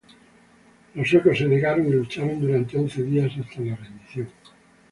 Los suecos se negaron y lucharon durante once días hasta la rendición.